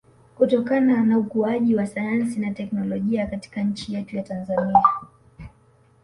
kutokana na ukuaji wa sayansi na technolojia katika nchi yetu ya Tanzania